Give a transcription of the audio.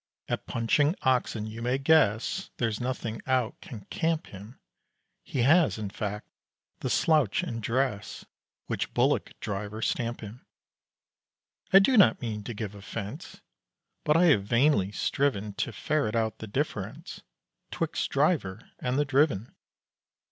At punching oxen you may guess There's nothing out can "camp" him: He has, in fact, the slouch and dress Which bullock driver stamp him. I do not mean to give offence, But I have vainly striven To ferret out the difference 'Twixt driver and the driven.